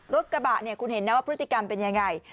รถกระบะเนี่ยคุณเห็นนะว่าพฤติกรรมเป็นยังไง